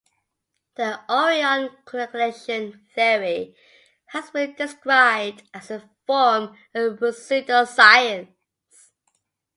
The Orion Correlation Theory has been described as a form of pseudoscience.